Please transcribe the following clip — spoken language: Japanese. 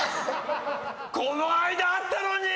この間会ったのに！